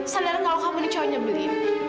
sadar kalau kamu nih cowoknya beli